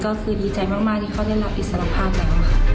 และก็ตัวเราเองก็ดีใจมากที่เขาได้รับอิสระภาพแล้ว